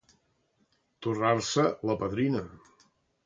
Torrar-se la padrina.